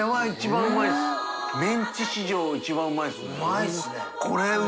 覆困筺メンチ史上一番うまいですね。